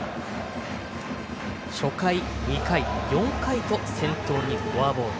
初回、２回４回と先頭にフォアボール。